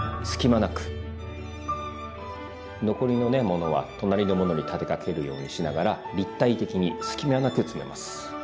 残りのねものは隣のものに立てかけるようにしながら立体的に隙間なく詰めます。